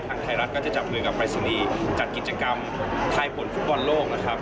ทางไทยรัฐก็จะจับเงินกับไปรษณีย์จัดกิจกรรมไทยผลฟุตบอลโลกนะครับ